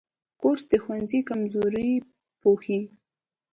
کورس د ښوونځي کمزوري پوښي.